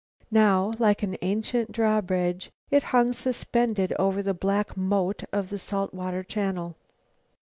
Now, like an ancient drawbridge, it hung suspended over the black moat of the salt water channel.